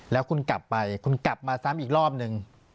แล้วคุณกลับไปคุณกลับมาซ้ำอีกรอบนึง